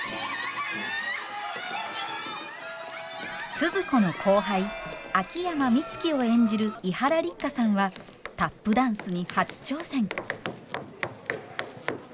スズ子の後輩秋山美月を演じる伊原六花さんはタップダンスに初挑戦。